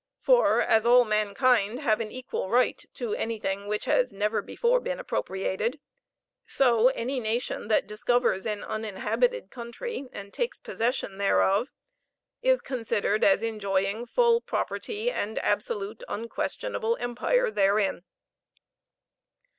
For as all mankind have an equal right to anything which has never before been appropriated, so any nation that discovers an uninhabited country, and takes possession thereof, is considered as enjoying full property, and absolute, unquestionable empire therein.